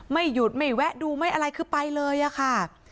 ไม่หยุดไม่แวะดูไม่อะไรคือไปเลยอะค่ะ